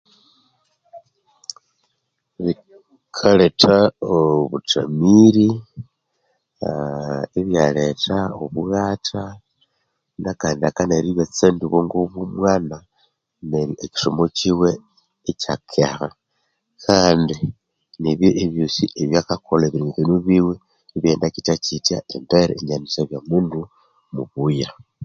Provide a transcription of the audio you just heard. Bikaletha obuthamire aaaa ibyaletha obughatha nakandi bikanayire ibyatsandya obwongo bwomwana nekisomo kiwe ikyakeha kandi nebyo ebyosi ebyakakolha ebirengekanio biwe ibyaghenda kitya kitya embeere inyaghanisyabya mundu mubuya